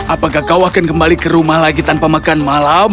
apakah kau akan kembali ke rumah lagi tanpa makan malam